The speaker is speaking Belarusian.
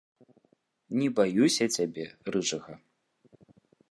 Не баюся цябе, рыжага.